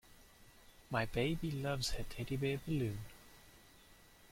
My baby loves her teddy bear balloon.